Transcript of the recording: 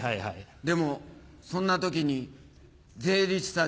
でもそんな時に税理士さんに。